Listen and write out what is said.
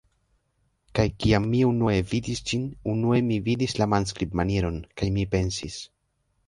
Kaj kiam mi unue vidis ĝin, unue mi vidis la manskribmanieron, kaj mi pensis: